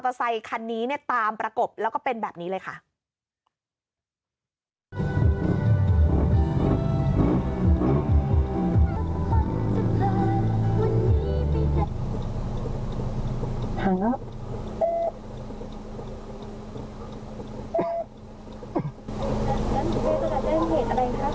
สวัสดีครับสุดท้ายว่าจะเห็นอะไรครับ